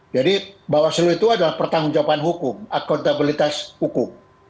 jadi bawaslu itu adalah pertanggungjawaban hukum akuntabilitas hukum